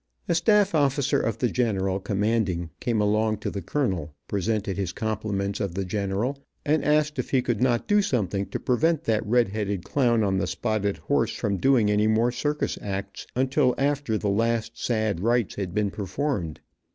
A staff officer of the general commanding, came along to the colonel, presented the compliments of the general, and asked if he could not do something to prevent that redheaded clown on the spotted horse from doing any more circus acts until after the last sad rites had been performed.